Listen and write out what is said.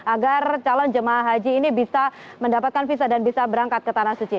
agar calon jemaah haji ini bisa mendapatkan visa dan bisa berangkat ke tanah suci